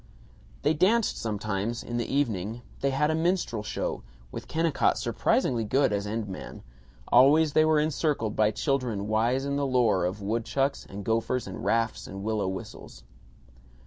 They danced sometimes, in the evening; they had a minstrel show, with Kennicott surprisingly good as end man; always they were encircled by children wise in the lore of woodchucks and gophers and rafts and willow whistles.